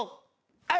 はい！